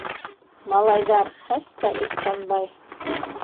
- Малайҙар хәс тә - Ихсанбай.